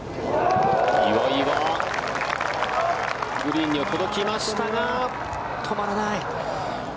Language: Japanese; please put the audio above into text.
岩井はグリーンには届きましたが止まらない。